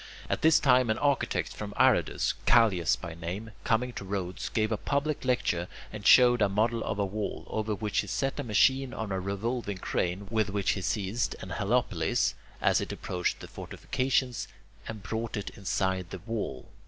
At this time an architect from Aradus, Callias by name, coming to Rhodes, gave a public lecture, and showed a model of a wall, over which he set a machine on a revolving crane with which he seized an helepolis as it approached the fortifications, and brought it inside the wall.